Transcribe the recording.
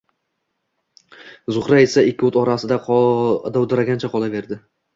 Zuhra esa ikki o`t orasida dovdiragancha qolaverdi